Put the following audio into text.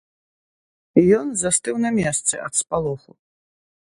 Ён застыў на месцы ад спалоху.